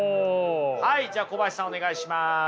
はいじゃあ小林さんお願いします。